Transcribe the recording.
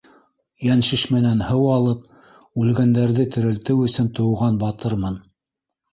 Йәншишмәнән һыу алып үлгәндәрҙе терелтеү өсөн тыуған батырмын.